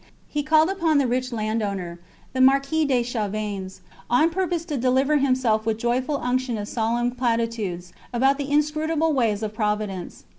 He called upon the rich landowner, the Marquis de Chavanes, on purpose to deliver himself with joyful unction of solemn platitudes about the inscrutable ways of Providence.